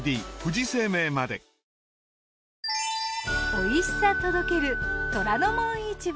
おいしさ届ける『虎ノ門市場』。